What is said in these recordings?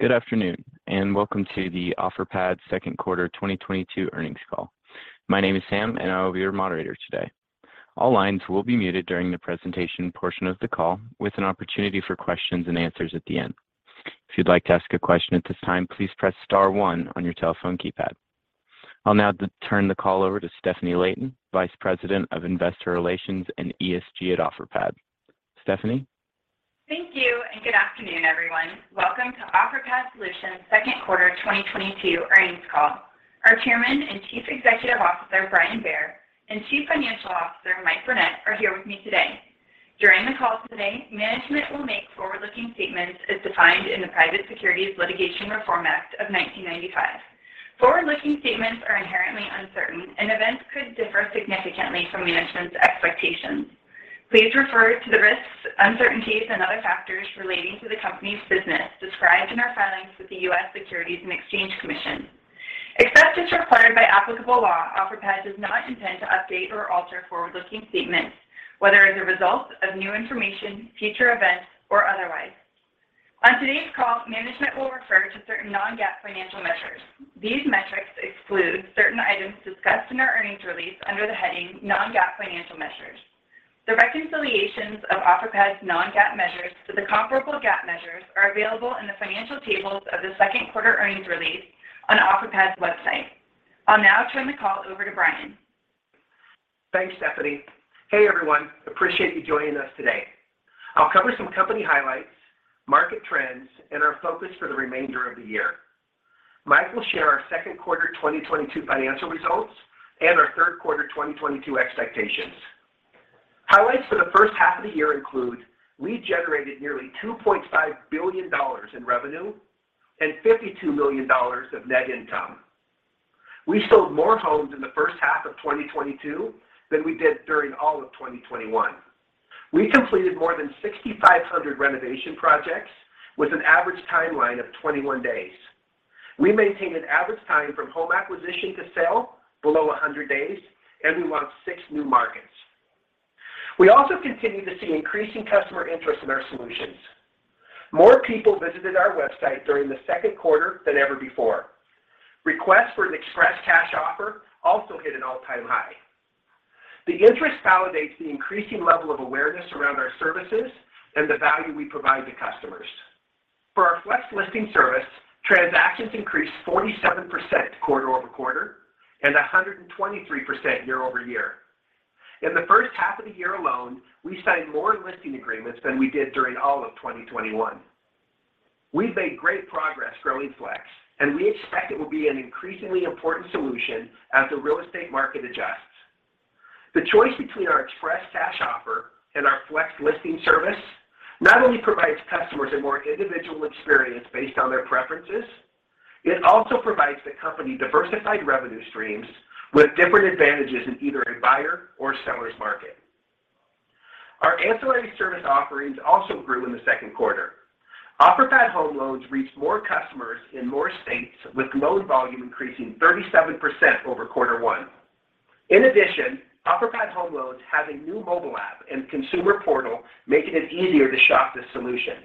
Good afternoon, and welcome to the Offerpad second quarter 2022 earnings call. My name is Sam, and I will be your moderator today. All lines will be muted during the presentation portion of the call with an opportunity for questions and answers at the end. If you'd like to ask a question at this time, please press star one on your telephone keypad. I'll now turn the call over to Stefanie Layton, Vice President of Investor Relations and ESG at Offerpad. Stefanie? Thank you, and good afternoon, everyone. Welcome to Offerpad Solutions second quarter 2022 earnings call. Our Chairman and Chief Executive Officer, Brian Bair, and Chief Financial Officer, Mike Burnett, are here with me today. During the call today, management will make forward-looking statements as defined in the Private Securities Litigation Reform Act of 1995. Forward-looking statements are inherently uncertain, and events could differ significantly from management's expectations. Please refer to the risks, uncertainties, and other factors relating to the company's business described in our filings with the U.S. Securities and Exchange Commission. Except as required by applicable law, Offerpad does not intend to update or alter forward-looking statements, whether as a result of new information, future events, or otherwise. On today's call, management will refer to certain non-GAAP financial measures. These metrics exclude certain items discussed in our earnings release under the heading Non-GAAP Financial Measures. The reconciliations of Offerpad's non-GAAP measures to the comparable GAAP measures are available in the financial tables of the second quarter earnings release on Offerpad's website. I'll now turn the call over to Brian. Thanks, Stefanie. Hey, everyone. Appreciate you joining us today. I'll cover some company highlights, market trends, and our focus for the remainder of the year. Mike will share our second quarter 2022 financial results and our third quarter 2022 expectations. Highlights for the first half of the year include we generated nearly $2.5 billion in revenue and $52 million of net income. We sold more homes in the first half of 2022 than we did during all of 2021. We completed more than 6,500 renovation projects with an average timeline of 21 days. We maintained an average time from home acquisition to sale below 100 days, and we launched 6 new markets. We also continue to see increasing customer interest in our solutions. More people visited our website during the second quarter than ever before. Requests for an Express cash offer also hit an all-time high. The interest validates the increasing level of awareness around our services and the value we provide to customers. For our Flex listing service, transactions increased 47% quarter-over-quarter and 123% year-over-year. In the first half of the year alone, we signed more listing agreements than we did during all of 2021. We've made great progress growing Flex, and we expect it will be an increasingly important solution as the real estate market adjusts. The choice between our Express cash offer and our Flex listing service not only provides customers a more individual experience based on their preferences, it also provides the company diversified revenue streams with different advantages in either a buyer or seller's market. Our ancillary service offerings also grew in the second quarter. Offerpad Home Loans reached more customers in more states, with loan volume increasing 37% over quarter one. In addition, Offerpad Home Loans has a new mobile app and consumer portal, making it easier to shop this solution.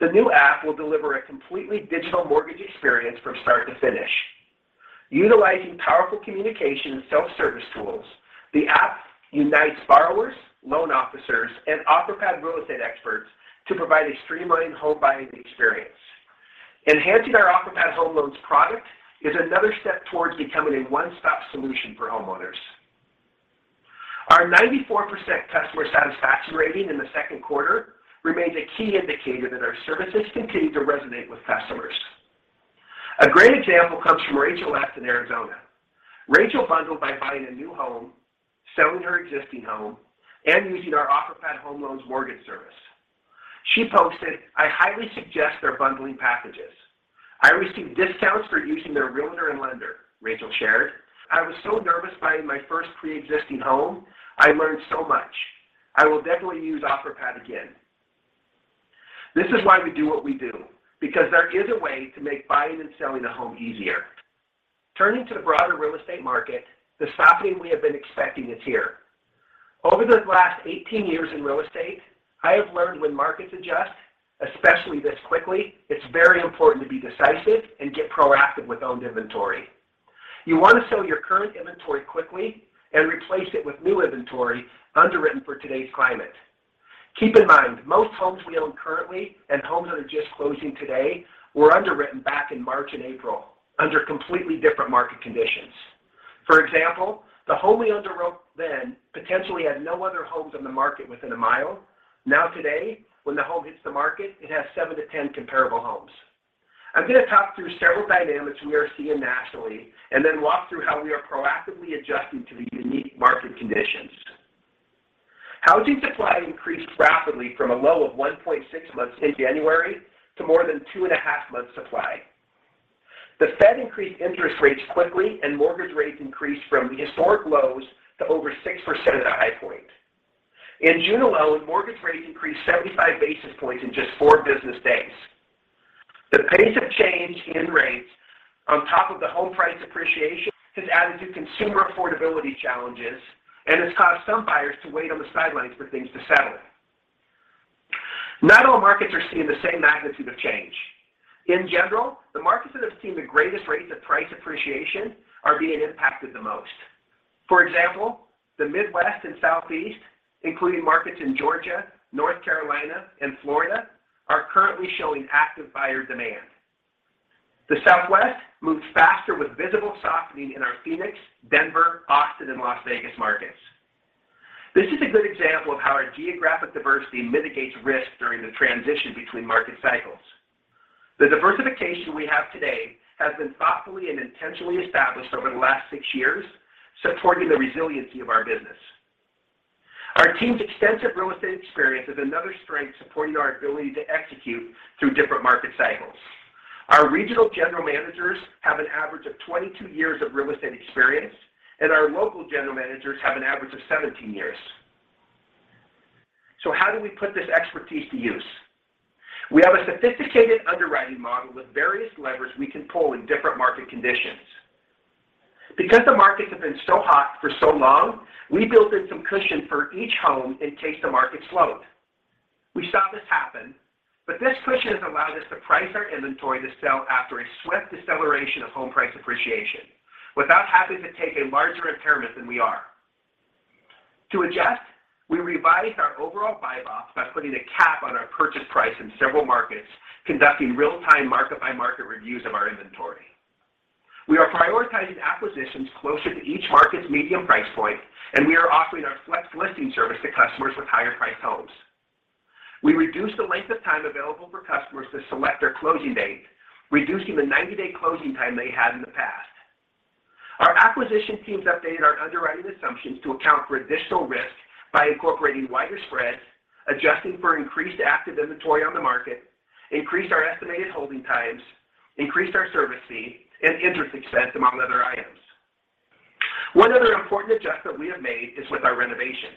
The new app will deliver a completely digital mortgage experience from start to finish. Utilizing powerful communication and self-service tools, the app unites borrowers, loan officers, and Offerpad real estate experts to provide a streamlined home buying experience. Enhancing our Offerpad Home Loans product is another step towards becoming a one-stop solution for homeowners. Our 94% customer satisfaction rating in the second quarter remains a key indicator that our services continue to resonate with customers. A great example comes from Rachel S. in Arizona. Rachel bundled by buying a new home, selling her existing home, and using our Offerpad Home Loans mortgage service. She posted, "I highly suggest their bundling packages. I received discounts for using their realtor and lender," Rachel shared. "I was so nervous buying my first pre-existing home. I learned so much. I will definitely use Offerpad again." This is why we do what we do, because there is a way to make buying and selling a home easier. Turning to the broader real estate market, the softening we have been expecting is here. Over the last 18 years in real estate, I have learned when markets adjust, especially this quickly, it's very important to be decisive and get proactive with owned inventory. You wanna sell your current inventory quickly and replace it with new inventory underwritten for today's climate. Keep in mind, most homes we own currently and homes that are just closing today were underwritten back in March and April under completely different market conditions. For example, the home we underwrote then potentially had no other homes on the market within a mile. Now today, when the home hits the market, it has seven to 10 comparable homes. I'm gonna talk through several dynamics we are seeing nationally and then walk through how we are proactively adjusting to the unique market conditions. Housing supply increased rapidly from a low of 1.6 months in January to more than 2.5 months supply. The Fed increased interest rates quickly, and mortgage rates increased from the historic lows to over 6% at a high point. In June alone, mortgage rates increased 75 basis points in just four business days. The pace of change in rates. On top of the home price appreciation has added to consumer affordability challenges and has caused some buyers to wait on the sidelines for things to settle. Not all markets are seeing the same magnitude of change. In general, the markets that have seen the greatest rates of price appreciation are being impacted the most. For example, the Midwest and Southeast, including markets in Georgia, North Carolina, and Florida, are currently showing active buyer demand. The Southwest moves faster with visible softening in our Phoenix, Denver, Austin, and Las Vegas markets. This is a good example of how our geographic diversity mitigates risk during the transition between market cycles. The diversification we have today has been thoughtfully and intentionally established over the last six years, supporting the resiliency of our business. Our team's extensive real estate experience is another strength supporting our ability to execute through different market cycles. Our regional general managers have an average of 22 years of real estate experience, and our local general managers have an average of 17 years. How do we put this expertise to use? We have a sophisticated underwriting model with various levers we can pull in different market conditions. Because the markets have been so hot for so long, we built in some cushion for each home in case the market slowed. We saw this happen, but this cushion has allowed us to price our inventory to sell after a swift deceleration of home price appreciation without having to take a larger impairment than we are. To adjust, we revised our overall buy box by putting a cap on our purchase price in several markets, conducting real-time market-by-market reviews of our inventory. We are prioritizing acquisitions closer to each market's medium price point, and we are offering our flex listing service to customers with higher-priced homes. We reduced the length of time available for customers to select their closing date, reducing the 90-day closing time they had in the past. Our acquisition teams updated our underwriting assumptions to account for additional risk by incorporating wider spreads, adjusting for increased active inventory on the market, increased our estimated holding times, increased our service fee and interest expense, among other items. One other important adjustment we have made is with our renovations.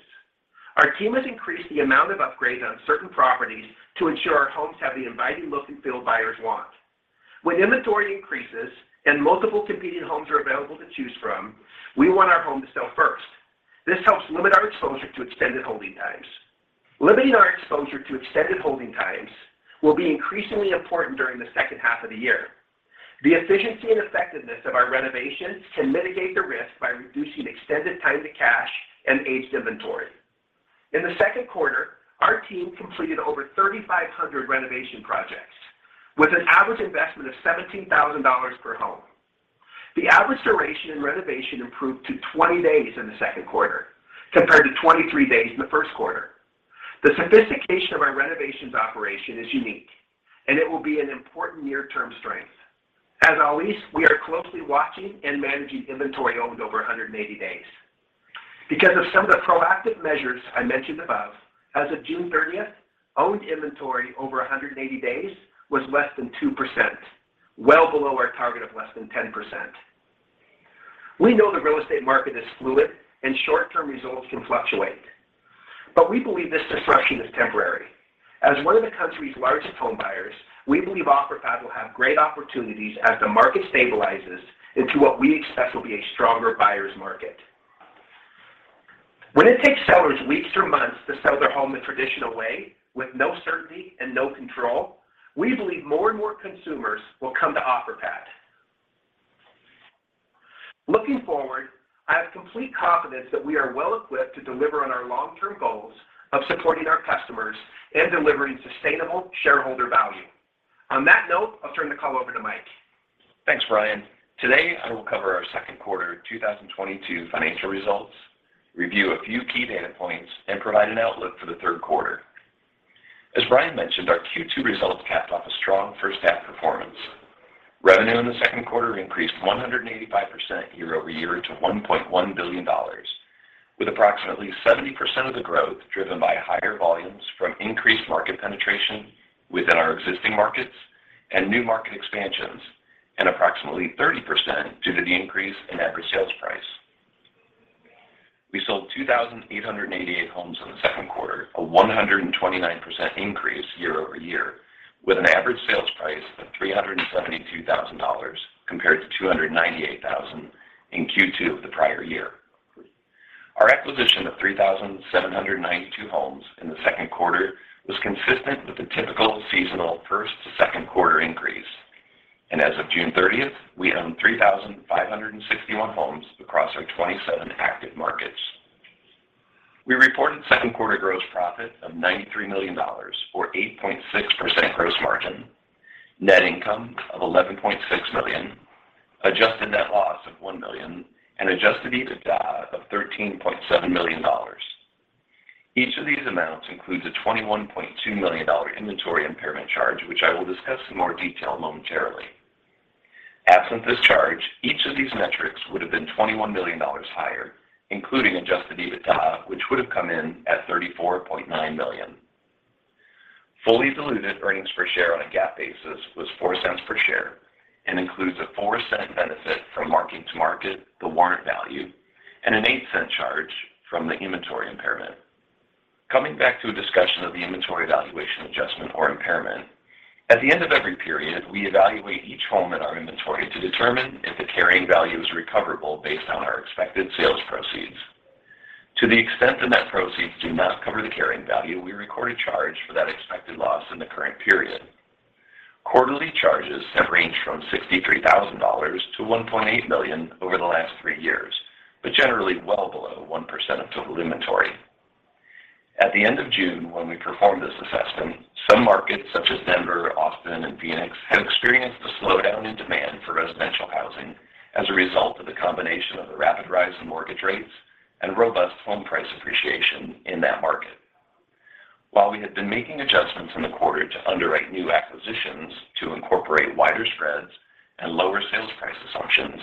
Our team has increased the amount of upgrades on certain properties to ensure our homes have the inviting look and feel buyers want. When inventory increases and multiple competing homes are available to choose from, we want our home to sell first. This helps limit our exposure to extended holding times. Limiting our exposure to extended holding times will be increasingly important during the second half of the year. The efficiency and effectiveness of our renovations can mitigate the risk by reducing extended time to cash and aged inventory. In the second quarter, our team completed over 3,500 renovation projects with an average investment of $17,000 per home. The average duration in renovation improved to 20 days in the second quarter, compared to 23 days in the first quarter. The sophistication of our renovations operation is unique, and it will be an important near-term strength. As always, we are closely watching and managing inventory owned over 180 days. Because of some of the proactive measures I mentioned above, as of June 30th, owned inventory over 180 days was less than 2%, well below our target of less than 10%. We know the real estate market is fluid and short-term results can fluctuate, but we believe this disruption is temporary. As one of the country's largest home buyers, we believe Offerpad will have great opportunities as the market stabilizes into what we expect will be a stronger buyer's market. When it takes sellers weeks or months to sell their home the traditional way with no certainty and no control, we believe more and more consumers will come to Offerpad. Looking forward, I have complete confidence that we are well equipped to deliver on our long-term goals of supporting our customers and delivering sustainable shareholder value. On that note, I'll turn the call over to Mike. Thanks, Brian. Today, I will cover our second quarter 2022 financial results, review a few key data points, and provide an outlook for the third quarter. As Brian mentioned, our Q2 results capped off a strong first-half performance. Revenue in the second quarter increased 185% year-over-year to $1.1 billion, with approximately 70% of the growth driven by higher volumes from increased market penetration within our existing markets and new market expansions, and approximately 30% due to the increase in average sales price. We sold 2,888 homes in the second quarter, a 129% increase year-over-year, with an average sales price of $372,000 compared to $298,000 in Q2 of the prior year. Our acquisition of 3,792 homes in the second quarter was consistent with the typical seasonal first to second quarter increase. As of June 30th, we own 3,561 homes across our 27 active markets. We reported second quarter gross profit of $93 million, or 8.6% gross margin, net income of $11.6 million, adjusted net loss of $1 million, and adjusted EBITDA of $13.7 million. Each of these amounts includes a $21.2 million inventory impairment charge, which I will discuss in more detail momentarily. Absent this charge, each of these metrics would have been $21 million higher, including adjusted EBITDA, which would have come in at $34.9 million. Fully diluted earnings per share on a GAAP basis was $0.04 per share and includes a $0.04 benefit from marking to market the warrant value and an $0.08 charge from the inventory impairment. Coming back to a discussion of the inventory valuation adjustment or impairment. At the end of every period, we evaluate each home in our inventory to determine if the carrying value is recoverable based on our expected sales proceeds. To the extent the net proceeds do not cover the carrying value, we record a charge for that expected loss in the current period. Quarterly charges have ranged from $63,000-$1.8 million over the last three years, but generally well below 1% of total inventory. At the end of June, when we performed this assessment, some markets such as Denver, Austin, and Phoenix have experienced a slowdown in demand for residential housing as a result of the combination of the rapid rise in mortgage rates and robust home price appreciation in that market. While we had been making adjustments in the quarter to underwrite new acquisitions to incorporate wider spreads and lower sales price assumptions,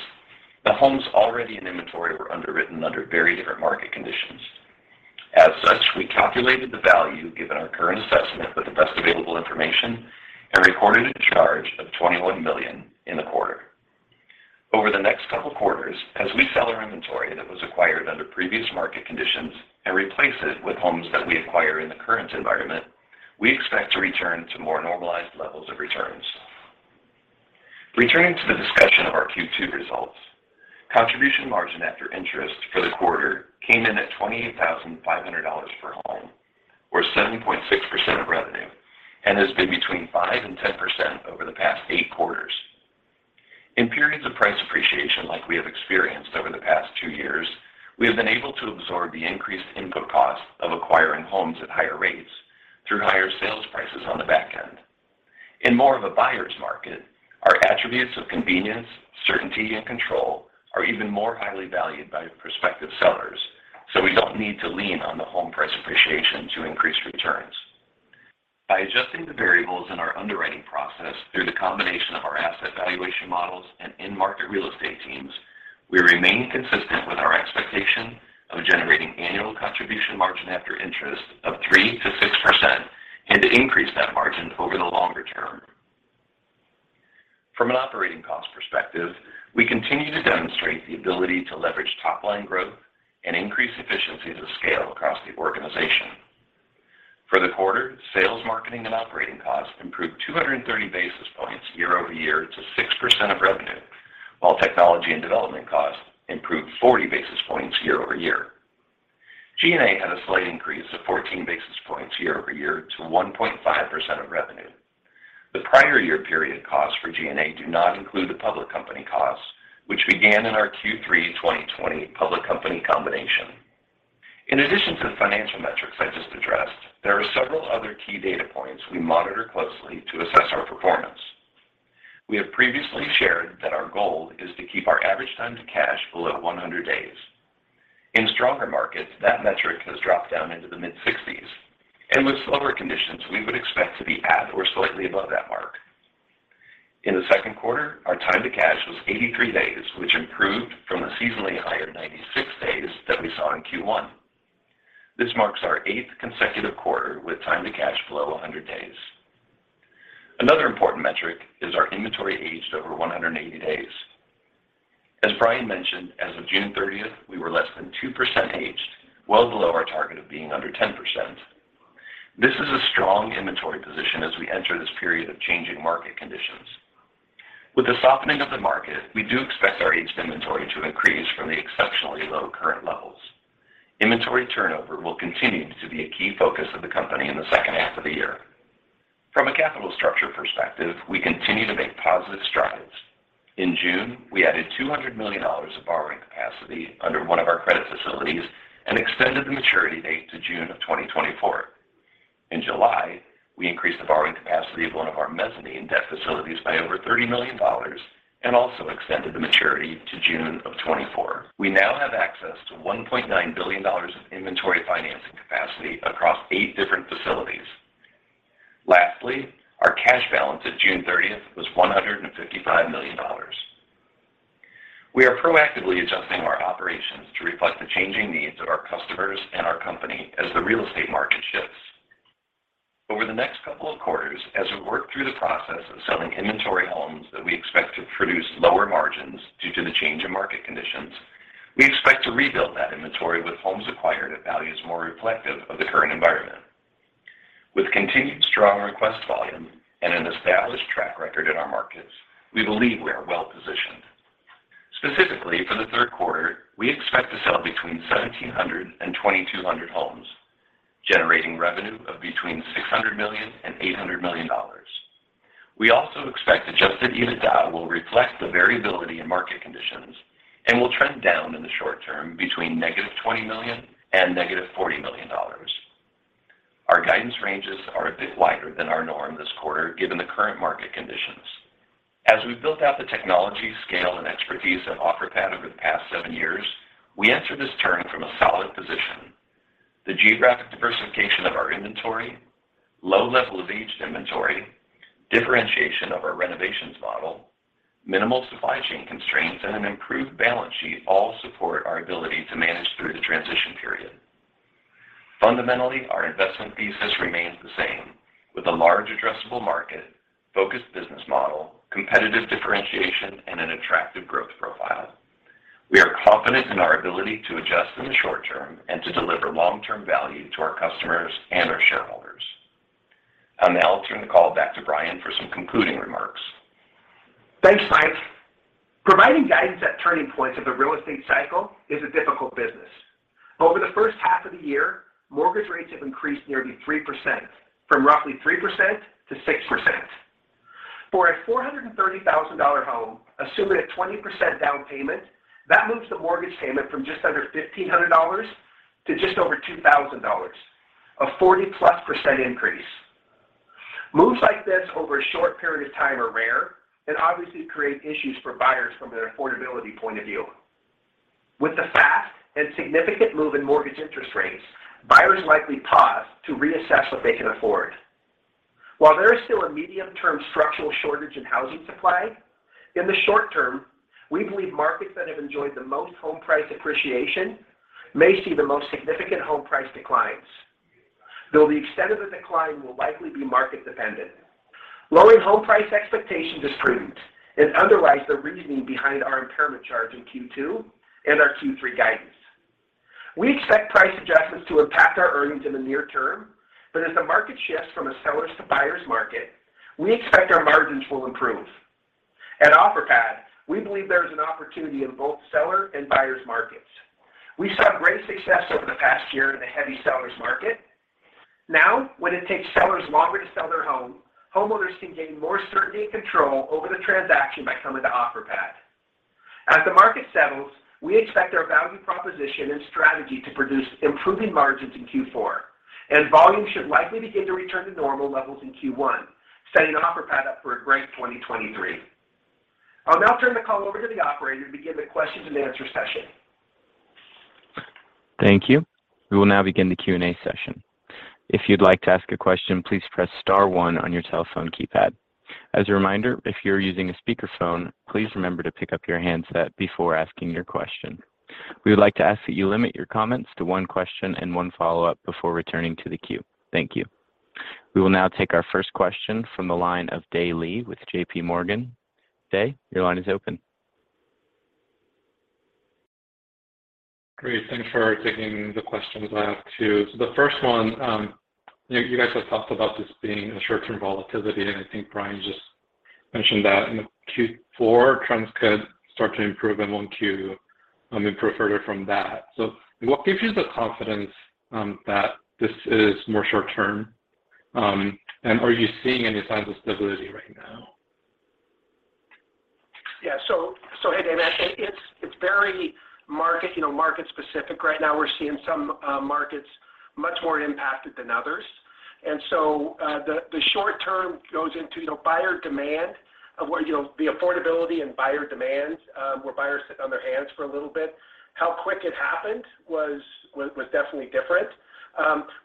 the homes already in inventory were underwritten under very different market conditions. As such, we calculated the value given our current assessment with the best available information and recorded a charge of $21 million in the quarter. Over the next couple quarters, as we sell our inventory that was acquired under previous market conditions and replace it with homes that we acquire in the current environment, we expect to return to more normalized levels of returns. Returning to the discussion of our Q2 results, Contribution Margin After Interest for the quarter came in at $28,500 per home, or 70.6% of revenue, and has been between 5% and 10% over the past eight quarters. In periods of price appreciation like we have experienced over the past two years, we have been able to absorb the increased input costs of acquiring homes at higher rates through higher sales prices on the back end. In more of a buyer's market, our attributes of convenience, certainty, and control are even more highly valued by prospective sellers, so we don't need to lean on the home price appreciation to increase returns. By adjusting the variables in our underwriting process through the combination of our asset valuation models and in-market real estate teams, we remain consistent with our expectation of generating annual contribution margin after interest of 3%-6% and to increase that margin over the longer term. From an operating cost perspective, we continue to demonstrate the ability to leverage top line growth and increase economies of scale across the organization. For the quarter, sales, marketing, and operating costs improved 230 basis points year-over-year to 6% of revenue, while technology and development costs improved 40 basis points year-over-year. G&A had a slight increase of 14 basis points year-over-year to 1.5% of revenue. The prior year period costs for G&A do not include the public company costs, which began in our Q3 2020 public company combination. In addition to the financial metrics I just addressed, there are several other key data points we monitor closely to assess our performance. We have previously shared that our goal is to keep our average time to cash below 100 days. In stronger markets, that metric has dropped down into the mid-60s, and with slower conditions, we would expect to be at or slightly above that mark. In the second quarter, our time to cash was 83 days, which improved from the seasonally higher 96 days that we saw in Q1. This marks our eighth consecutive quarter with time to cash below 100 days. Another important metric is our inventory aged over 180 days. As Brian mentioned, as of June 30th, we were less than 2% aged, well below our target of being under 10%. This is a strong inventory position as we enter this period of changing market conditions. With the softening of the market, we do expect our aged inventory to increase from the exceptionally low current levels. Inventory turnover will continue to be a key focus of the company in the second half of the year. From a capital structure perspective, we continue to make positive strides. In June, we added $200 million of borrowing capacity under one of our credit facilities and extended the maturity date to June of 2024. In July, we increased the borrowing capacity of one of our mezzanine debt facilities by over $30 million and also extended the maturity to June 2024. We now have access to $1.9 billion of inventory financing capacity across eight different facilities. Lastly, our cash balance at June 30th was $155 million. We are proactively adjusting our operations to reflect the changing needs of our customers and our company as the real estate market shifts. Over the next couple of quarters, as we work through the process of selling inventory homes that we expect to produce lower margins due to the change in market conditions, we expect to rebuild that inventory with homes acquired at values more reflective of the current environment. With continued strong request volume and an established track record in our markets, we believe we are well-positioned. Specifically, for the third quarter, we expect to sell between 1,700 and 2,200 homes, generating revenue of between $600 million and $800 million. We also expect adjusted EBITDA will reflect the variability in market conditions and will trend down in the short term between -$20 million and -$40 million. Our guidance ranges are a bit wider than our norm this quarter, given the current market conditions. As we've built out the technology, scale, and expertise at Offerpad over the past seven years, we enter this turn from a solid position. The geographic diversification of our inventory, low level of aged inventory, differentiation of our renovations model, minimal supply chain constraints, and an improved balance sheet all support our ability to manage through the transition period. Fundamentally, our investment thesis remains the same with a large addressable market, focused business model, competitive differentiation, and an attractive growth profile. Confident in our ability to adjust in the short term and to deliver long-term value to our customers and our shareholders. I'll now turn the call back to Brian for some concluding remarks. Thanks, Mike. Providing guidance at turning points of the real estate cycle is a difficult business. Over the first half of the year, mortgage rates have increased nearly 3%, from roughly 3% to 6%. For a $430,000 home, assuming a 20% down payment, that moves the mortgage payment from just under $1,500 to just over $2,000. A 40%+ increase. Moves like this over a short period of time are rare and obviously create issues for buyers from an affordability point of view. With the fast and significant move in mortgage interest rates, buyers likely pause to reassess what they can afford. While there is still a medium-term structural shortage in housing supply, in the short term, we believe markets that have enjoyed the most home price appreciation may see the most significant home price declines, though the extent of the decline will likely be market dependent. Lowering home price expectations is prudent and underlies the reasoning behind our impairment charge in Q2 and our Q3 guidance. We expect price adjustments to impact our earnings in the near-term, but as the market shifts from a sellers to buyers' market, we expect our margins will improve. At Offerpad, we believe there is an opportunity in both seller and buyers markets. We saw great success over the past year in a heavy seller's market. Now, when it takes sellers longer to sell their home, homeowners can gain more certainty and control over the transaction by coming to Offerpad. As the market settles, we expect our value proposition and strategy to produce improving margins in Q4, and volume should likely begin to return to normal levels in Q1, setting Offerpad up for a great 2023. I'll now turn the call over to the operator to begin the question and answer session. Thank you. We will now begin the Q&A session. If you'd like to ask a question, please press star one on your telephone keypad. As a reminder, if you're using a speakerphone, please remember to pick up your handset before asking your question. We would like to ask that you limit your comments to one question and one follow-up before returning to the queue. Thank you. We will now take our first question from the line of Dae Lee with JPMorgan. Dae, your line is open. Great. Thanks for taking the questions. I have two. The first one, you guys have talked about this being a short-term volatility, and I think Brian just mentioned that, in the Q4, trends could start to improve. What gives you the confidence that this is more short-term? And are you seeing any signs of stability right now? Hey, Dae Lee. I think it's very market, you know, market-specific right now. We're seeing some markets much more impacted than others. The short term goes into, you know, buyer demand of where, you know, the affordability and buyer demand, where buyers sit on their hands for a little bit. How quick it happened was definitely different.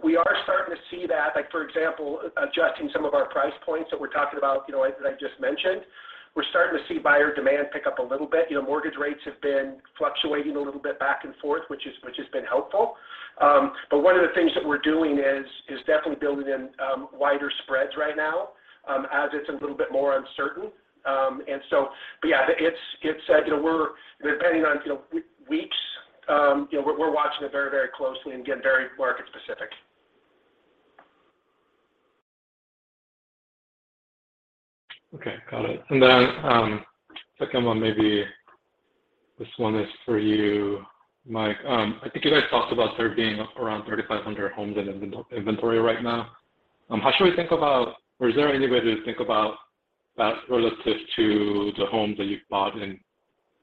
We are starting to see that, like, for example, adjusting some of our price points that we're talking about, you know, as I just mentioned. We're starting to see buyer demand pick up a little bit. You know, mortgage rates have been fluctuating a little bit back and forth, which has been helpful. One of the things that we're doing is definitely building in wider spreads right now, as it's a little bit more uncertain. Yeah, it's, you know, we're depending on, you know, weeks. You know, we're watching it very closely and, again, very market-specific. Okay. Got it. Second one, maybe this one is for you, Mike. I think you guys talked about there being around 3,500 homes in inventory right now. How should we think about or is there any way to think about that relative to the homes that you've bought in,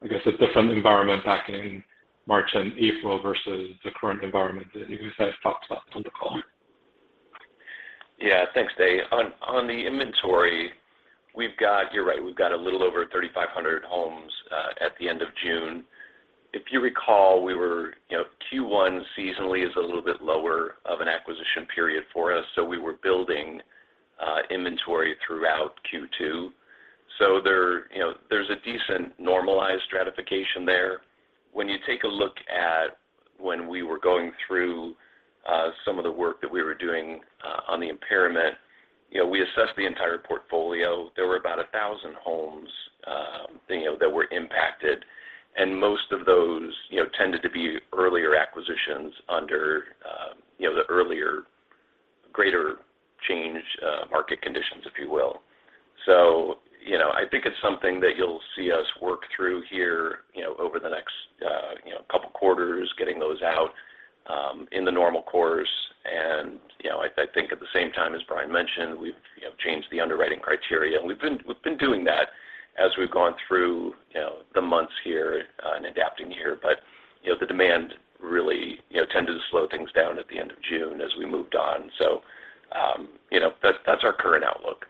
I guess, a different environment back in March and April versus the current environment that you guys have talked about on the call? Yeah. Thanks, Dae. On the inventory, we've got. You're right. We've got a little over 3,500 homes at the end of June. If you recall, we were, you know, Q1 seasonally is a little bit lower of an acquisition period for us, so we were building inventory throughout Q2. So there, you know, there's a decent normalized stratification there. When you take a look at when we were going through some of the work that we were doing on the impairment, you know, we assessed the entire portfolio. There were about 1,000 homes, you know, that were impacted, and most of those, you know, tended to be earlier acquisitions under the earlier, greater change market conditions, if you will. You know, I think it's something that you'll see us work through here, you know, over the next, you know, couple quarters, getting those out, in the normal course. You know, I think at the same time, as Brian mentioned, we've, you know, changed the underwriting criteria, and we've been doing that as we've gone through, you know, the months here, and adapting here. You know, the demand really, you know, tended to slow things down at the end of June as we moved on. You know, that's our current outlook.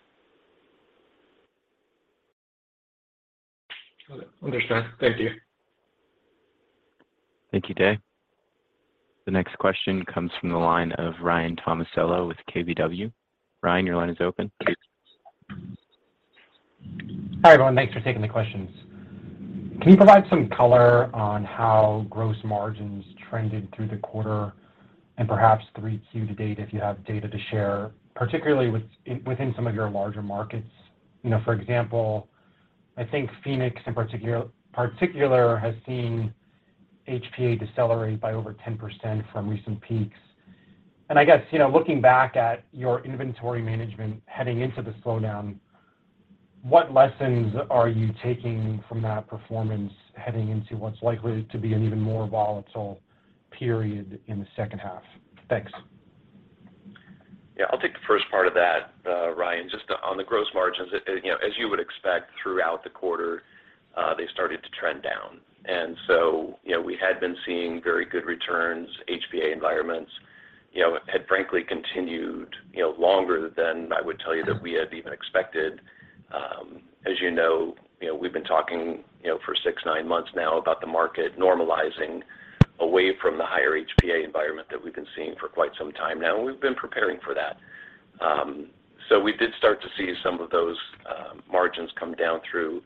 Got it. Understand. Thank you. Thank you, Dae. The next question comes from the line of Ryan Tomasello with KBW. Ryan, your line is open. Hi, everyone. Thanks for taking the questions. Can you provide some color on how gross margins trended through the quarter? Perhaps 3Q to-date if you have data to share, particularly within some of your larger markets. You know, for example, I think Phoenix in particular has seen HPA decelerate by over 10% from recent peaks. I guess, you know, looking back at your inventory management heading into the slowdown, what lessons are you taking from that performance heading into what's likely to be an even more volatile period in the second half? Thanks. Yeah. I'll take the first part of that, Ryan. Just on the gross margins. You know, as you would expect throughout the quarter, they started to trend down. You know, we had been seeing very good returns, HPA environments, you know, had frankly continued, you know, longer than I would tell you that we had even expected. As you know, you know, we've been talking, you know, for six-nine months now about the market normalizing away from the higher HPA environment that we've been seeing for quite some time now, and we've been preparing for that. So we did start to see some of those margins come down through.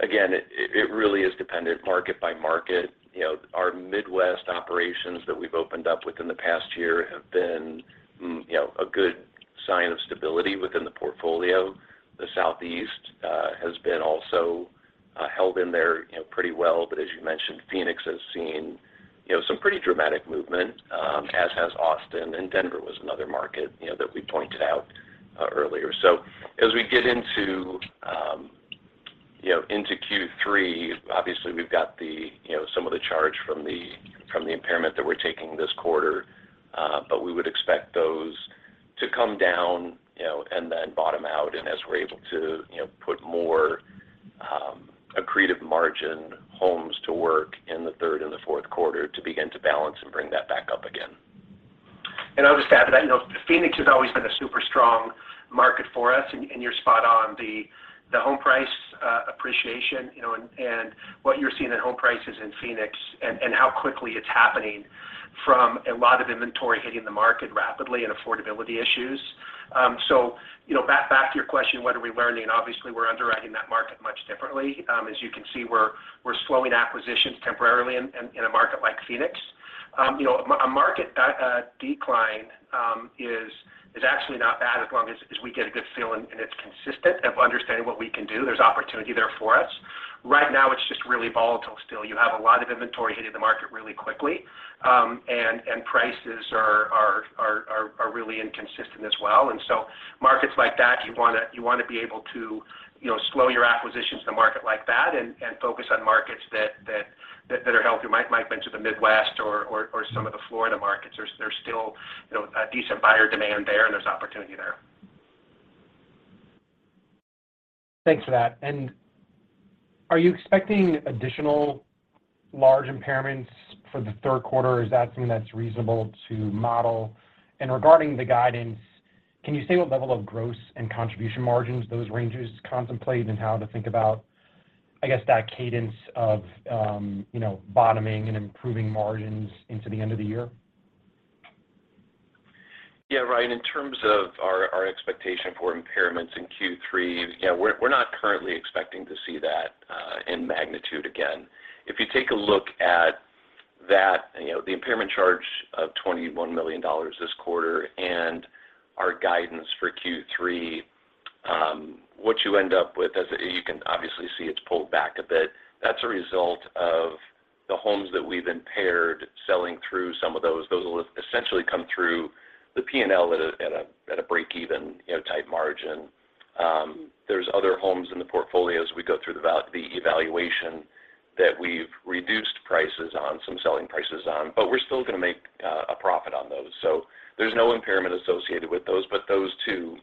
Again, it really is dependent market by market. You know, our Midwest operations that we've opened up within the past year have been a good sign of stability within the portfolio. The Southeast has been also held in there, you know, pretty well. As you mentioned, Phoenix has seen, you know, some pretty dramatic movement, as has Austin and Denver was another market, you know, that we pointed out earlier. As we get into Q3, obviously we've got the, you know, some of the charge from the impairment that we're taking this quarter, but we would expect those to come down, you know, and then bottom out. As we're able to, you know, put more accretive margin homes to work in the third and the fourth quarter to begin to balance and bring that back up again. I'll just add to that. You know, Phoenix has always been a super strong market for us, and you're spot on. The home price appreciation, you know, and what you're seeing in home prices in Phoenix and how quickly it's happening from a lot of inventory hitting the market rapidly and affordability issues. You know, back to your question, what are we learning? Obviously, we're underwriting that market much differently. As you can see, we're slowing acquisitions temporarily in a market like Phoenix. You know, a market decline is actually not bad as long as we get a good feel and it's consistent of understanding what we can do. There's opportunity there for us. Right now, it's just really volatile still. You have a lot of inventory hitting the market really quickly, and prices are really inconsistent as well. Markets like that, you wanna be able to, you know, slow your acquisitions in a market like that and focus on markets that are healthy. Mike went to the Midwest or some of the Florida markets. There's still, you know, a decent buyer demand there and there's opportunity there. Thanks for that. Are you expecting additional large impairments for the third quarter? Is that something that's reasonable to model? Regarding the guidance, can you say what level of gross and contribution margins those ranges contemplate and how to think about, I guess that cadence of, you know, bottoming and improving margins into the end of the year? Yeah, Ryan, in terms of our expectation for impairments in Q3, you know, we're not currently expecting to see that in magnitude again. If you take a look at that, you know, the impairment charge of $21 million this quarter and our guidance for Q3, what you end up with as you can obviously see it's pulled back a bit. That's a result of the homes that we've impaired selling through some of those. Those will essentially come through the P&L at a break-even, you know, type margin. There's other homes in the portfolio as we go through the evaluation that we've reduced prices on, some selling prices on, but we're still gonna make a profit on those. There's no impairment associated with those, but those two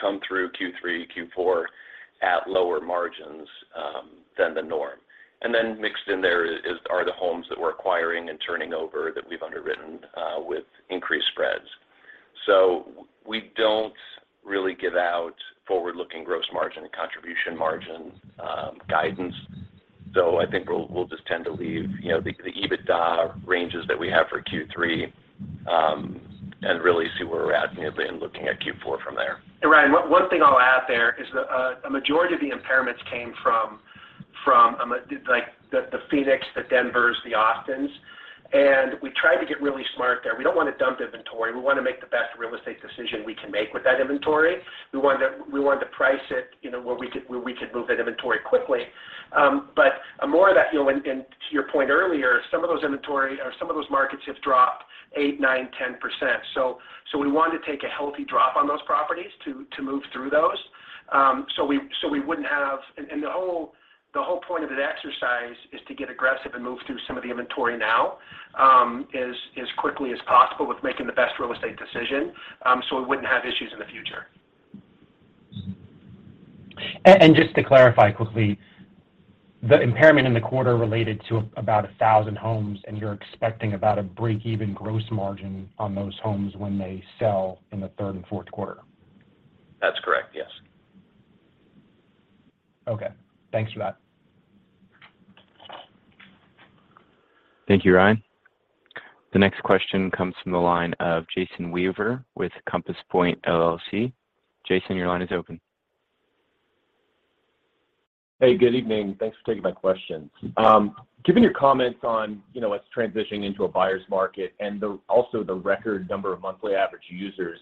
come through Q3, Q4 at lower margins than the norm. Mixed in there are the homes that we're acquiring and turning over that we've underwritten with increased spreads. We don't really give out forward-looking gross margin and contribution margin guidance. I think we'll just tend to leave, you know, the EBITDA ranges that we have for Q3, and really see where we're at and looking at Q4 from there. Ryan, one thing I'll add there is a majority of the impairments came from like the Phoenix, the Denvers, the Austins. We try to get really smart there. We don't want to dump inventory. We want to make the best real estate decision we can make with that inventory. We want to price it, you know, where we could move that inventory quickly. But more of that, you know, to your point earlier, some of those inventory or some of those markets have dropped 8%, 9%, 10%. So we want to take a healthy drop on those properties to move through those, so we wouldn't have... The whole point of that exercise is to get aggressive and move through some of the inventory now, as quickly as possible with making the best real estate decision, so we wouldn't have issues in the future. Just to clarify quickly, the impairment in the quarter related to about 1,000 homes, and you're expecting about a break-even gross margin on those homes when they sell in the third and fourth quarter? That's correct, yes. Okay. Thanks for that. Thank you, Ryan. The next question comes from the line of Jason Weaver with Compass Point LLC. Jason, your line is open. Hey, good evening. Thanks for taking my questions. Given your comments on, you know, what's transitioning into a buyer's market and also the record number of monthly average users,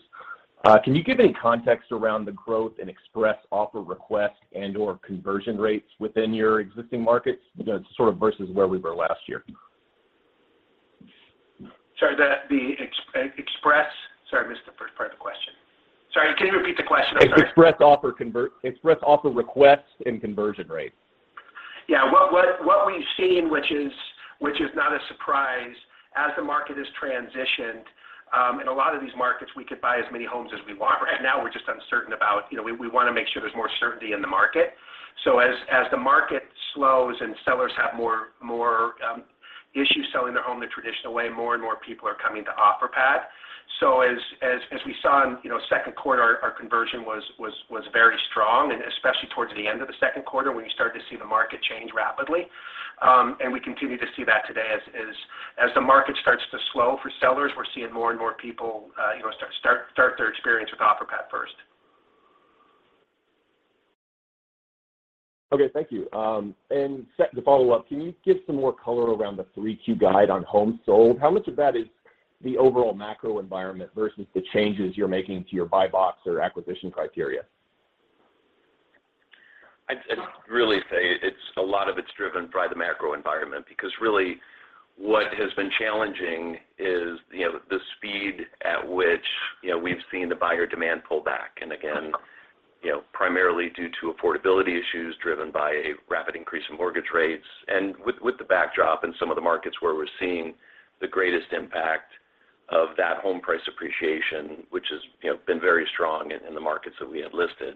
can you give any context around the growth in express offer requests and/or conversion rates within your existing markets? You know, sort of versus where we were last year. Sorry, I missed the first part of the question. Sorry, can you repeat the question? I'm sorry. Express offer requests and conversion rates. Yeah. What we've seen, which is not a surprise, as the market has transitioned, in a lot of these markets, we could buy as many homes as we want. Right now, we're just uncertain about. You know, we wanna make sure there's more certainty in the market. As we saw in, you know, second quarter, our conversion was very strong and especially towards the end of the second quarter when you started to see the market change rapidly. We continue to see that today as the market starts to slow for sellers, we're seeing more and more people, you know, start their experience with Offerpad first. Okay. Thank you. To follow up, can you give some more color around the 3Q guide on homes sold? How much of that is the overall macro environment versus the changes you're making to your buy box or acquisition criteria? I'd really say it's a lot of it's driven by the macro environment. Really what has been challenging is, you know, the speed at which, you know, we've seen the buyer demand pull back. Again, you know, primarily due to affordability issues driven by a rapid increase in mortgage rates and with the backdrop in some of the markets where we're seeing the greatest impact of that home price appreciation, which has, you know, been very strong in the markets that we had listed.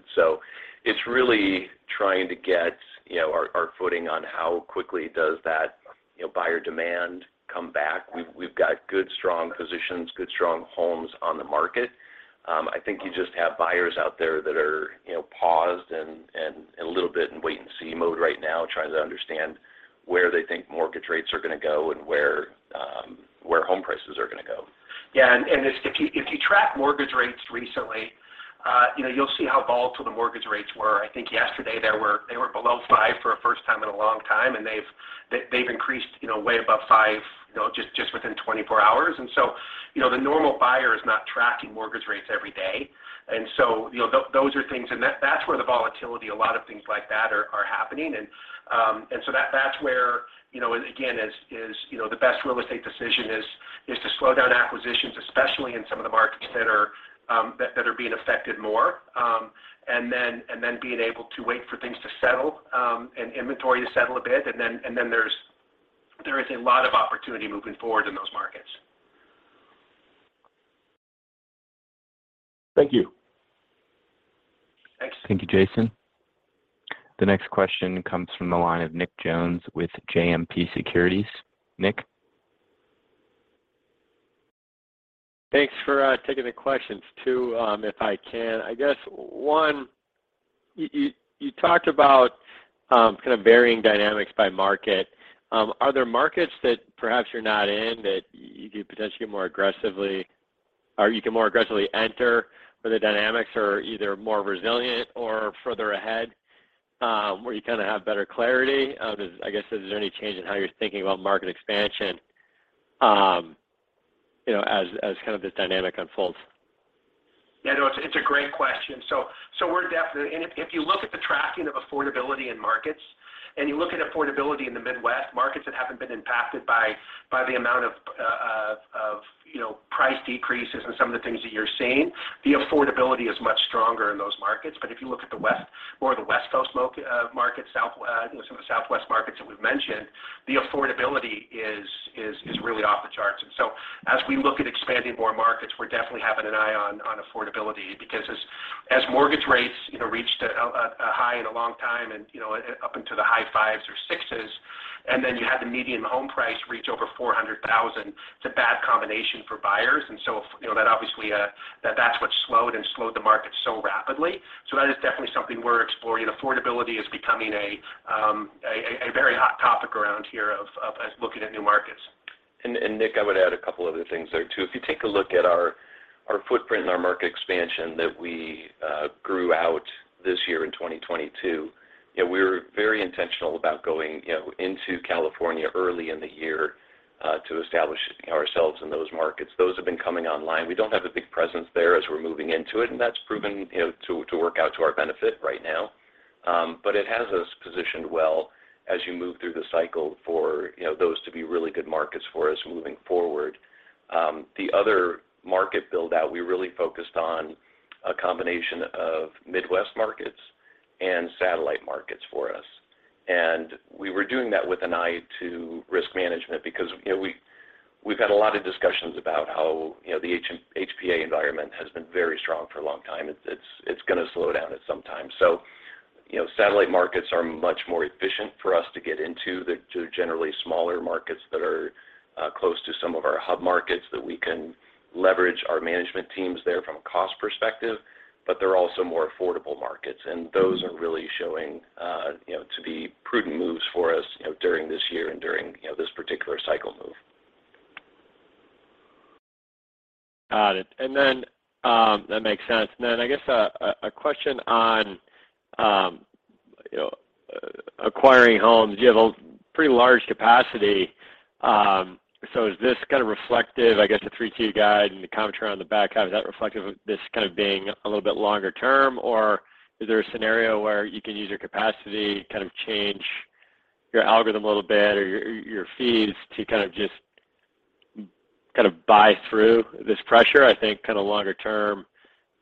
It's really trying to get, you know, our footing on how quickly does that, you know, buyer demand come back. We've got good, strong positions, good, strong homes on the market. I think you just have buyers out there that are, you know, paused and a little bit in wait and see mode right now, trying to understand where they think mortgage rates are gonna go and where home prices are gonna go. Yeah. If you track mortgage rates recently, you know, you'll see how volatile the mortgage rates were. I think yesterday they were below five for a first time in a long time, and they've increased, you know, way above five, you know, just within 24 hours. You know, the normal buyer is not tracking mortgage rates every day. You know, those are things. That's where the volatility, a lot of things like that are happening. That's where, you know, again, as is, you know, the best real estate decision is to slow down acquisitions, especially in some of the markets that are being affected more. Being able to wait for things to settle, and inventory to settle a bit. There is a lot of opportunity moving forward in those markets. Thank you. Thanks. Thank you, Jason. The next question comes from the line of Nick Jones with JMP Securities. Nick? Thanks for taking the questions. Two, if I can. I guess one, you talked about kind of varying dynamics by market. Are there markets that perhaps you're not in that you could potentially more aggressively or you can more aggressively enter where the dynamics are either more resilient or further ahead, where you kinda have better clarity? I guess, is there any change in how you're thinking about market expansion, you know, as kind of this dynamic unfolds? Yeah, no, it's a great question. We're definitely. If you look at the tracking of affordability in markets and you look at affordability in the Midwest, markets that haven't been impacted by the amount of, you know, price decreases and some of the things that you're seeing, the affordability is much stronger in those markets. If you look at the West or the West Coast markets, South, you know, some of the Southwest markets that we've mentioned, the affordability is really off the charts. As we look at expanding more markets, we're definitely having an eye on affordability because as mortgage rates, you know, reached a high in a long time and, you know, up into the high 5s or 6s, and then you had the median home price reach over $400,000, it's a bad combination for buyers. You know, that obviously, that's what slowed the market so rapidly. That is definitely something we're exploring. Affordability is becoming a very hot topic around here as looking at new markets. Nick, I would add a couple other things there too. If you take a look at our footprint and our market expansion that we grew out this year in 2022, you know, we're very intentional about going, you know, into California early in the year to establish ourselves in those markets. Those have been coming online. We don't have a big presence there as we're moving into it, and that's proven, you know, to work out to our benefit right now. But it has us positioned well as you move through the cycle for, you know, those to be really good markets for us moving forward. The other market build-out, we really focused on a combination of Midwest markets and satellite markets for us. We were doing that with an eye to risk management because, you know, we've had a lot of discussions about how, you know, the HPA environment has been very strong for a long time. It's gonna slow down at some time. You know, satellite markets are much more efficient for us to get into. They're generally smaller markets that are close to some of our hub markets that we can leverage our management teams there from a cost perspective, but they're also more affordable markets, and those are really showing, you know, to be prudent moves for us, you know, during this year and during, you know, this particular cycle move. Got it. That makes sense. I guess a question on, you know, acquiring homes. You have a pretty large capacity, so is this kind of reflective, I guess, the 3Q guide and the commentary on the back half, is that reflective of this kind of being a little bit longer term? Or is there a scenario where you can use your capacity, kind of change your algorithm a little bit or your fees to kind of just, kind of buy through this pressure? I think kind of longer term,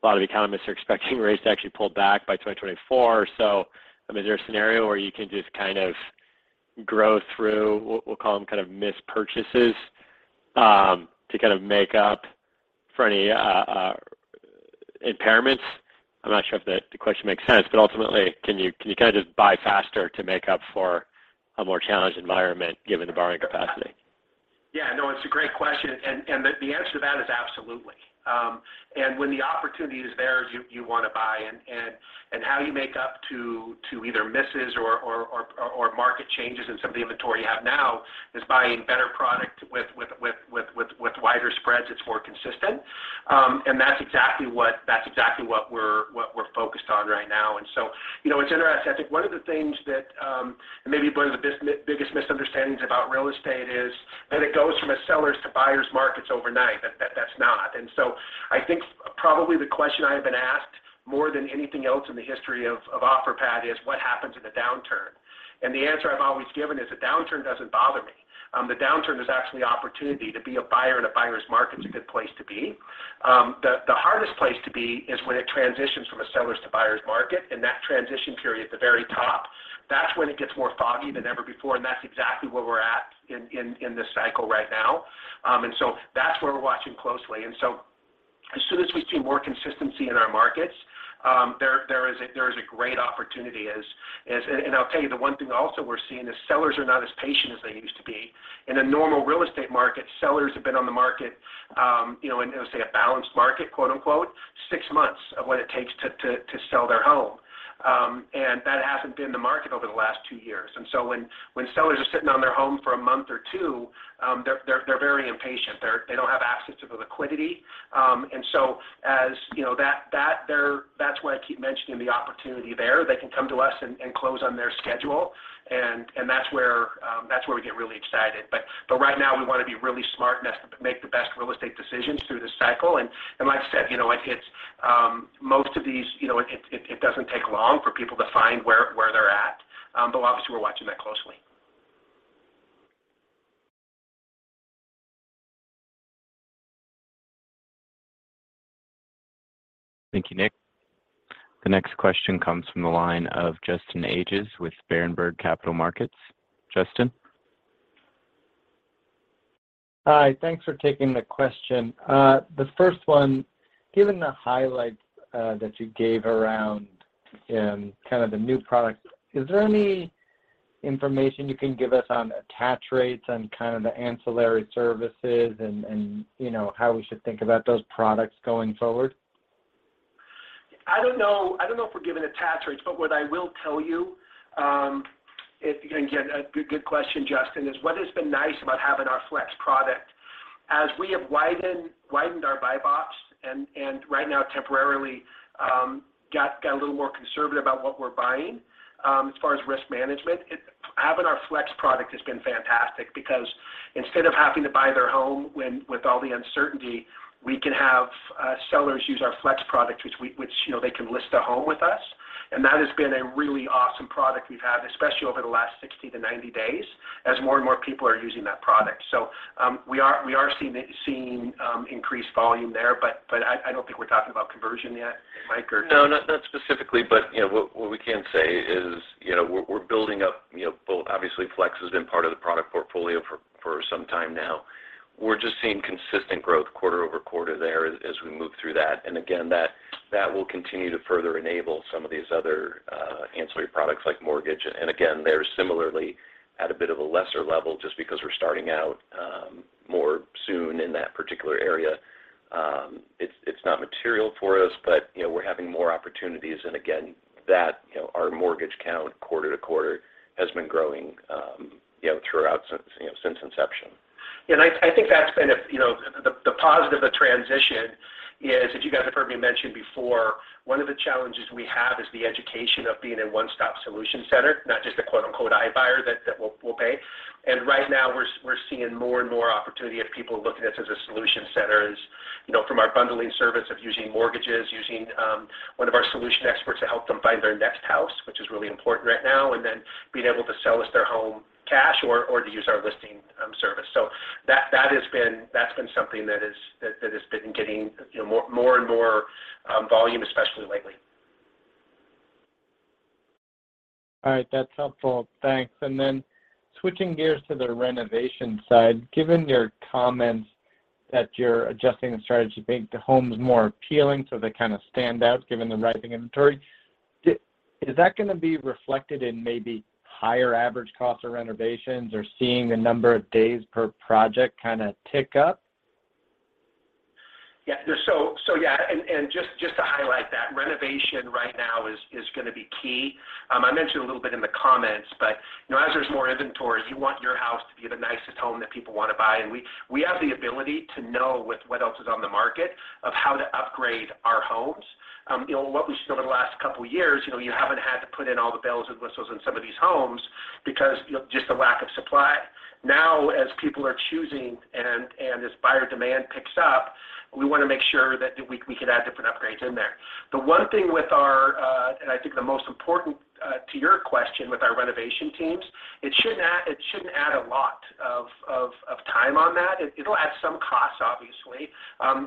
a lot of economists are expecting rates to actually pull back by 2024. I mean, is there a scenario where you can just kind of grow through, we'll call them kind of missed purchases, to kind of make up for any impairments? I'm not sure if the question makes sense, but ultimately, can you kind of just buy faster to make up for a more challenged environment given the borrowing capacity? Yeah, no, it's a great question. The answer to that is absolutely. When the opportunity is there, you wanna buy. How you make up for either misses or market changes in some of the inventory you have now is buying better product with wider spreads that's more consistent. That's exactly what we're focused on right now. You know, it's interesting. I think one of the things that maybe one of the biggest misunderstandings about real estate is that it goes from a seller's to buyer's markets overnight. That's not. I think probably the question I have been asked more than anything else in the history of Offerpad is what happens in a downturn? The answer I've always given is a downturn doesn't bother me. The downturn is actually opportunity. To be a buyer in a buyer's market is a good place to be. The hardest place to be is when it transitions from a seller's to buyer's market, and that transition period at the very top, that's when it gets more foggy than ever before, and that's exactly where we're at in this cycle right now. That's where we're watching closely. As soon as we see more consistency in our markets, there is a great opportunity. I'll tell you the one thing also we're seeing is sellers are not as patient as they used to be. In a normal real estate market, sellers have been on the market, you know, in, say, a balanced market, quote-unquote, six months of what it takes to sell their home. That hasn't been the market over the last two years. When sellers are sitting on their home for a month or two, they're very impatient. They don't have access to the liquidity. As you know, that's why I keep mentioning the opportunity there. They can come to us and close on their schedule, and that's where we get really excited. Right now, we wanna be really smart and make the best real estate decisions through this cycle. Like I said, you know, like it's most of these, you know, it doesn't take long for people to find where they're at. Obviously we're watching that closely. Thank you, Nick. The next question comes from the line of Justin Ages with Berenberg Capital Markets. Justin? Hi. Thanks for taking the question. The first one, given the highlights that you gave around kinda the new product, is there any information you can give us on attach rates and kind of the ancillary services and you know how we should think about those products going forward? I don't know if we're giving attach rates, but what I will tell you, again, a good question, Justin, is what has been nice about having our Flex product, as we have widened our buy box and right now temporarily got a little more conservative about what we're buying, as far as risk management, having our Flex product has been fantastic because instead of having to buy their home with all the uncertainty, we can have sellers use our Flex product, which, you know, they can list a home with us. That has been a really awesome product we've had, especially over the last 60-90 days, as more and more people are using that product. We are seeing increased volume there, but I don't think we're talking about conversion yet, Mike. No, not specifically, but, you know, what we can say is, you know, we're building up, you know, obviously Flex has been part of the product portfolio for some time now. We're just seeing consistent growth quarter-over-quarter there as we move through that. Again, that will continue to further enable some of these other ancillary products like mortgage. Again, they're similarly at a bit of a lesser level just because we're starting out more soon in that particular area. It's not material for us, but, you know, we're having more opportunities. Again, that you know, our mortgage count quarter-over-quarter has been growing, you know, throughout since inception. Yeah. I think that's been, you know, the positive of transition is, as you guys have heard me mention before, one of the challenges we have is the education of being a one-stop solution center, not just a quote-unquote iBuyer that we'll pay. Right now we're seeing more and more opportunity of people looking at us as a solution center as, you know, from our bundling service of using mortgages, using one of our solution experts to help them find their next house, which is really important right now, and then being able to sell us their home cash or to use our listing service. That has been something that has been getting, you know, more and more volume especially lately. All right. That's helpful. Thanks. Switching gears to the renovation side, given your comments that you're adjusting the strategy to make the homes more appealing so they kinda stand out given the rising inventory, is that gonna be reflected in maybe higher average cost of renovations or seeing the number of days per project kinda tick up? Yeah. To highlight that, renovation right now is gonna be key. I mentioned a little bit in the comments, but you know, as there's more inventory, you want your house to be the most-home that people want to buy. We have the ability to know what else is on the market and how to upgrade our homes. You know, what we've seen over the last couple years, you know, you haven't had to put in all the bells and whistles in some of these homes because of just the lack of supply. Now, as people are choosing and as buyer demand picks up, we wanna make sure that we can add different upgrades in there. The one thing with our, and I think the most important to your question with our renovation teams, it shouldn't add a lot of time on that. It'll add some costs, obviously,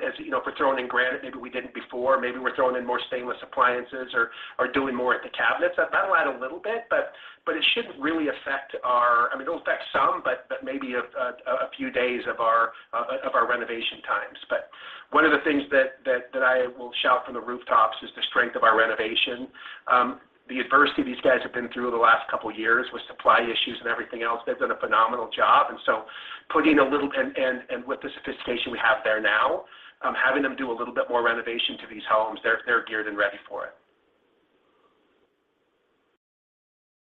as you know, if we're throwing in granite maybe we didn't before, maybe we're throwing in more stainless appliances or doing more with the cabinets. That'll add a little bit, but it shouldn't really affect our, I mean, it'll affect some, but maybe a few days of our renovation times. One of the things that I will shout from the rooftops is the strength of our renovation. The adversity these guys have been through the last couple years with supply issues and everything else, they've done a phenomenal job. With the sophistication we have there now, having them do a little bit more renovation to these homes, they're geared and ready for it.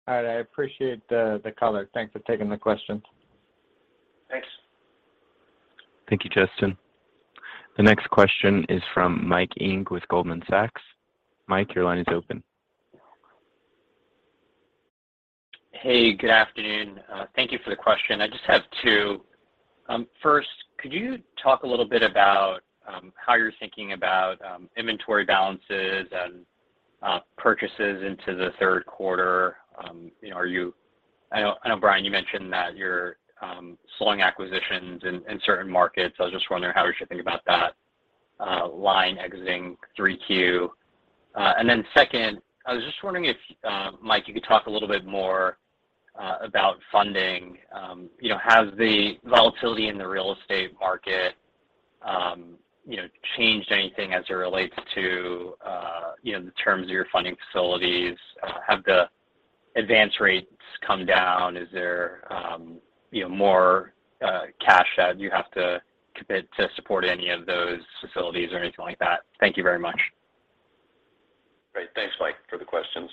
All right. I appreciate the color. Thanks for taking the question. Thanks. Thank you, Justin. The next question is from Mike Ng with Goldman Sachs. Mike, your line is open. Hey, good afternoon. Thank you for the question. I just have two. First, could you talk a little bit about how you're thinking about inventory balances and purchases into the third quarter? You know, I know, Brian, you mentioned that you're slowing acquisitions in certain markets. I was just wondering how we should think about that line exiting 3Q. And then second, I was just wondering if, Mike, you could talk a little bit more about funding. You know, has the volatility in the real estate market you know changed anything as it relates to you know the terms of your funding facilities? Have the advance rates come down? Is there, you know, more cash that you have to commit to support any of those facilities or anything like that? Thank you very much. Great. Thanks, Mike, for the questions.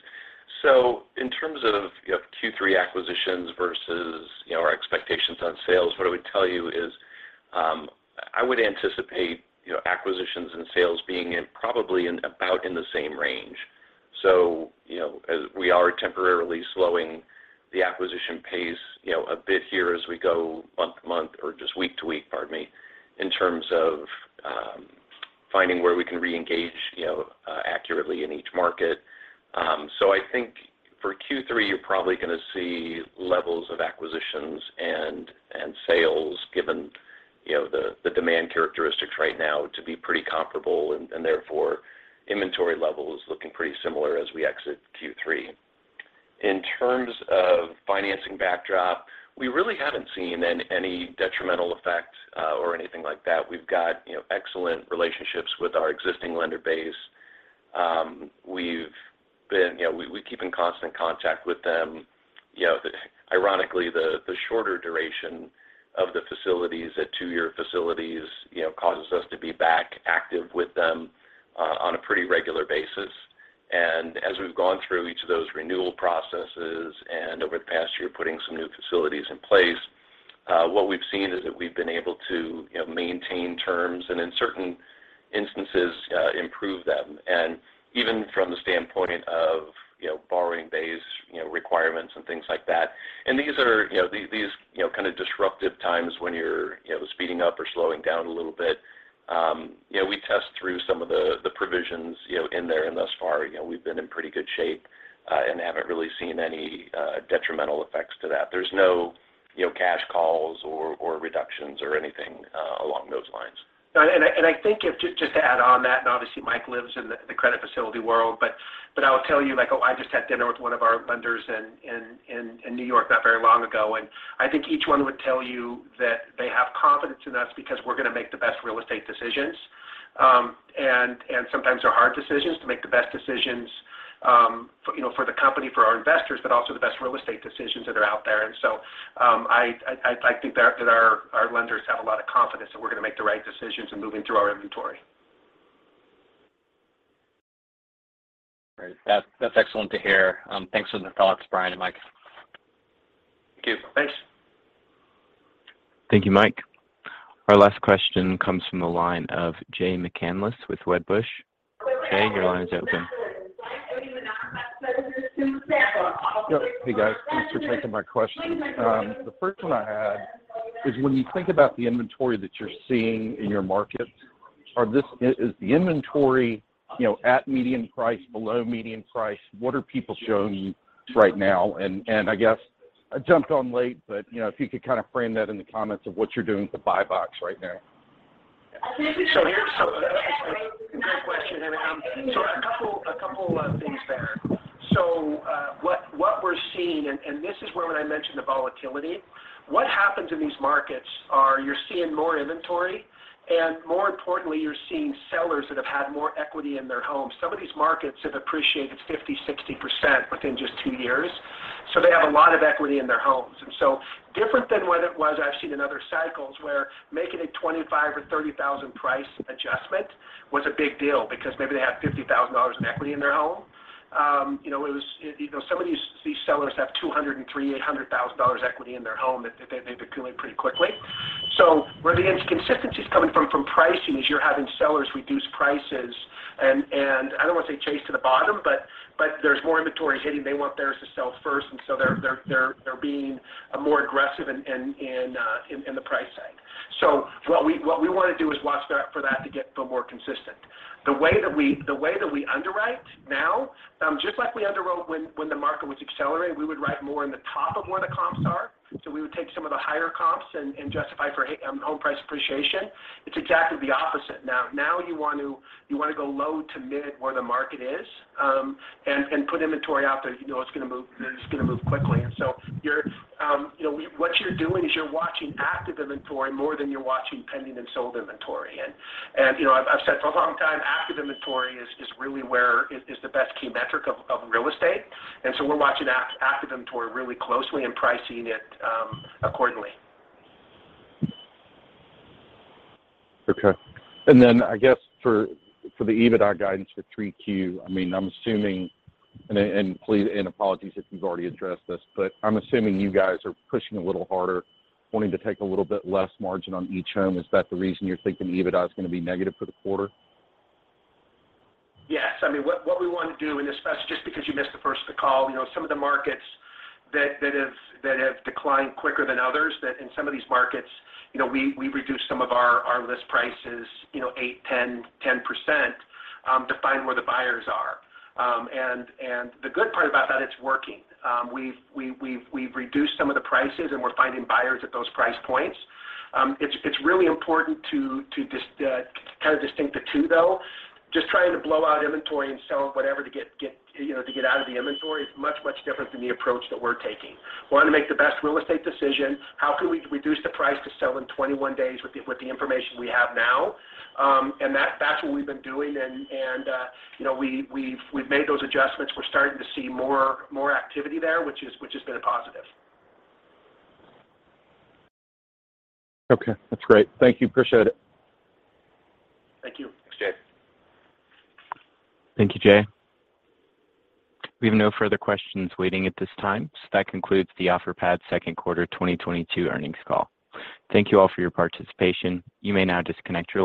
In terms of, you know, Q3 acquisitions versus, you know, our expectations on sales, what I would tell you is, I would anticipate, you know, acquisitions and sales being in probably in about in the same range. You know, as we are temporarily slowing the acquisition pace, you know, a bit here as we go month to month or just week to week, pardon me, in terms of, finding where we can reengage, you know, accurately in each market. I think for Q3, you're probably gonna see levels of acquisitions and sales given, you know, the demand characteristics right now to be pretty comparable, and therefore inventory levels looking pretty similar as we exit Q3. In terms of financing backdrop, we really haven't seen any detrimental effect, or anything like that. We've got, you know, excellent relationships with our existing lender base. We've been, you know, we keep in constant contact with them. You know, ironically, the shorter duration of the facilities, the two-year facilities, you know, causes us to be back active with them on a pretty regular basis. As we've gone through each of those renewal processes and over the past year, putting some new facilities in place, what we've seen is that we've been able to, you know, maintain terms, and in certain instances, improve them. Even from the standpoint of, you know, borrowing base, you know, requirements and things like that. These are, you know, kind of disruptive times when you're, you know, speeding up or slowing down a little bit. You know, we test through some of the provisions, you know, in there, and thus far, you know, we've been in pretty good shape, and haven't really seen any detrimental effects to that. There's no, you know, cash calls or reductions or anything along those lines. Just to add on that, obviously Mike lives in the credit facility world, but I'll tell you, like, I just had dinner with one of our lenders in New York not very long ago, and I think each one would tell you that they have confidence in us because we're gonna make the best real estate decisions. Sometimes they're hard decisions to make the best decisions, you know, for the company, for our investors, but also the best real estate decisions that are out there. I think that our lenders have a lot of confidence that we're gonna make the right decisions in moving through our inventory. Great. That's excellent to hear. Thanks for the thoughts, Brian and Mike. Thank you. Thanks. Thank you, Mike. Our last question comes from the line of Jay McCanless with Wedbush. Jay, your line is open. Hey, guys. Thanks for taking my questions. The first one I had is when you think about the inventory that you're seeing in your markets, is the inventory, you know, at median price, below median price? What are people showing right now? I guess I jumped on late, but, you know, if you could kind of frame that in the comments of what you're doing with the buy box right now. That's a great question. A couple things there. What we're seeing, and this is where when I mentioned the volatility, what happens in these markets is you're seeing more inventory, and more importantly, you're seeing sellers that have had more equity in their homes. Some of these markets have appreciated 50%-60% within just two years, so they have a lot of equity in their homes. Different than what it was I've seen in other cycles, where making a $25,000 or $30,000 price adjustment was a big deal because maybe they have $50,000 in equity in their home. You know, it was, you know, some of these sellers have $230,000-$800,000 equity in their home that they've accumulated pretty quickly. Where the inconsistency is coming from pricing is you're having sellers reduce prices and I don't want to say race to the bottom, but there's more inventory hitting. They want theirs to sell first, and so they're being more aggressive in the price side. What we want to do is watch that for that to get a bit more consistent. The way that we underwrite now, just like we underwrote when the market was accelerating, we would write more in the top of where the comps are. We would take some of the higher comps and justify for home price appreciation. It's exactly the opposite now. Now you want to go low to mid where the market is, and put inventory out there. You know it's going to move quickly. What you're doing is you're watching active inventory more than you're watching pending and sold inventory. You know, I've said for a long time, active inventory is really the best key metric of real estate. We're watching active inventory really closely and pricing it accordingly. Okay. Then I guess for the EBITDA guidance for Q3, I mean, I'm assuming, and please, apologies if you've already addressed this, but I'm assuming you guys are pushing a little harder, wanting to take a little bit less margin on each home. Is that the reason you're thinking EBITDA is going to be negative for the quarter? Yes. I mean, what we want to do, and this is just because you missed the first of the call, you know, some of the markets that have declined quicker than others, that in some of these markets, you know, we've reduced some of our list prices, you know, 8%-10%, to find where the buyers are. And the good part about that, it's working. We've reduced some of the prices, and we're finding buyers at those price points. It's really important to distinguish the two, though. Just trying to blow out inventory and sell whatever to get, you know, to get out of the inventory is much different than the approach that we're taking. We want to make the best real estate decision. How can we reduce the price to sell in 21 days with the information we have now? That's what we've been doing. You know, we've made those adjustments. We're starting to see more activity there, which has been a positive. Okay, that's great. Thank you. Appreciate it. Thank you. Thanks, Jay. Thank you, Jay. We have no further questions waiting at this time, so that concludes the Offerpad second quarter 2022 earnings call. Thank you all for your participation. You may now disconnect your lines.